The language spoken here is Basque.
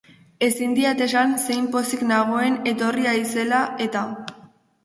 Ezin diat esan zein pozik nagoen etorri haizela-eta.